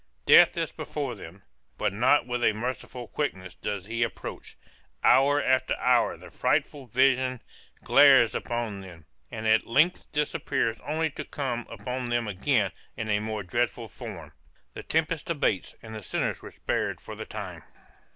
Death is before them, but not with a merciful quickness does he approach; hour after hour the frightful vision glares upon them, and at length disappears only to come upon them again in a more dreadful form. The tempest abates, and the sinners were spared for the time.